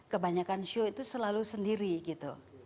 kebanyakan show itu selalu sendiri gitu